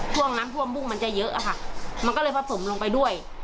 ช่วงน้ำท่วมบุ้งมันจะเยอะอะค่ะมันก็เลยผสมลงไปด้วย